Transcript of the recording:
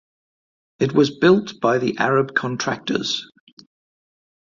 It was built by the Arab Contractors.